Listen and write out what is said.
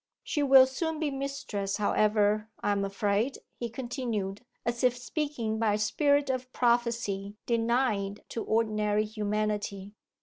'She will soon be mistress, however, I am afraid,' he continued, as if speaking by a spirit of prophecy denied to ordinary humanity.